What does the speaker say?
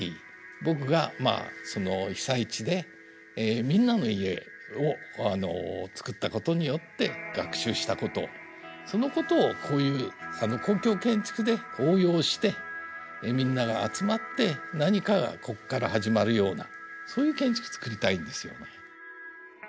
僕がまあその被災地でみんなの家を作ったことによって学習したことそのことをこういう公共建築で応用してみんなが集まって何かがここから始まるようなそういう建築作りたいんですよね。